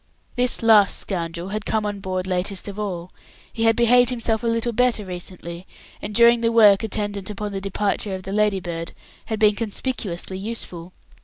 This last scoundrel had come on board latest of all. He had behaved himself a little better recently, and during the work attendant upon the departure of the Ladybird, had been conspicuously useful.